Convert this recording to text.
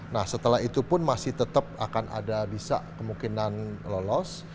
nah setelah itu pun masih tetap akan ada bisa kemungkinan lolos